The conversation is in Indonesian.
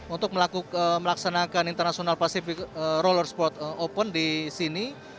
untuk melaksanakan internasional pasifik roller sport open di sini